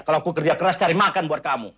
kalau aku kerja keras cari makan buat kamu